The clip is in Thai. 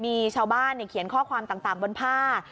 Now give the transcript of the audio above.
มีชาวบ้านเขียนข้อความต่างบนผ้า